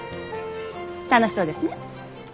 楽しそうですね。